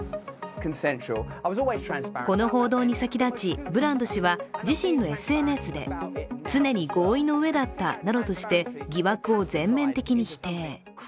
この報道に先立ち、ブランド氏は自身のＳＮＳで常に合意のうえだったなどとして疑惑を全面的に否定。